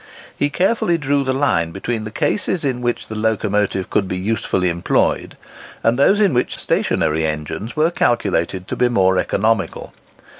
He carefully drew the line between the cases in which the locomotive could be usefully employed, and those in which stationary engines were calculated to be more economical.